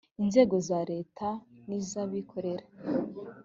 inzego za leta niz abikorera